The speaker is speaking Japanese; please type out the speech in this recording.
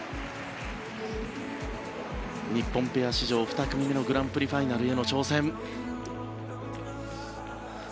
日本ペア史上２組目のグランプリファイナルへの挑戦。